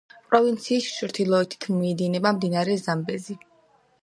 პროვინციის ჩრდილოეთით მიედინება მდინარე ზამბეზი.